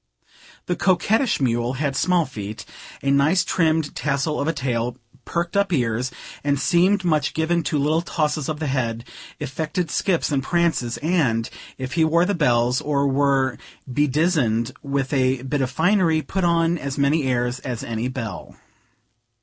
The coquettish mule had small feet, a nicely trimmed tassel of a tail, perked up ears, and seemed much given to little tosses of the head, affected skips and prances; and, if he wore the bells, or were bedizzened with a bit of finery, put on as many airs as any belle.